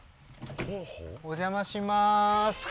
お邪魔します。